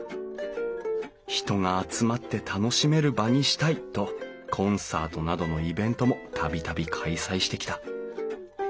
人が集まって楽しめる場にしたいとコンサートなどのイベントも度々開催してきた。